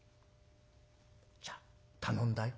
「じゃあ頼んだよ」。